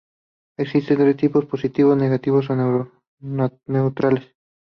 Existen tres tipos, positivos, negativos o neutrales.